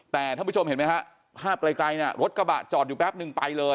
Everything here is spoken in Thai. แต่ท่านผู้ชมเห็นไหมฮะภาพไกลรถกระบะจอดอยู่แป๊บนึงไปเลย